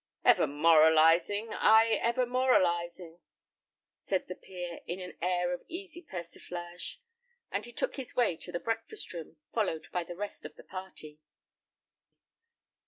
"Ever moralizing I ever moralizing!" said the peer, with an air of easy persiflage. And he took his way to the breakfast room, followed by the rest of the party.